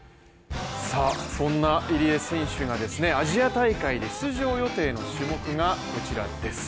そんな入江選手がアジア大会で出場予定の種目がこちらです。